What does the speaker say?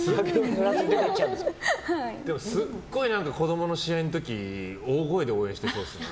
すごい子供の試合の時大声で応援してそうですね。